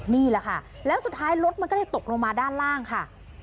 นี่แหละค่ะแล้วสุดท้ายรถมันก็เลยตกลงมาด้านล่างค่ะ